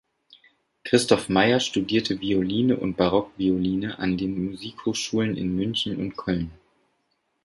Christoph Mayer studierte Violine und Barockvioline an den Musikhochschulen in München und Köln.